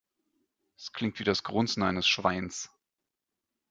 Es klingt wie das Grunzen eines Schweins.